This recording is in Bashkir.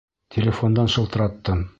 Телефондан шылтыраттым.